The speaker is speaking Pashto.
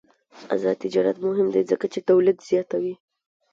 آزاد تجارت مهم دی ځکه چې تولید زیاتوي.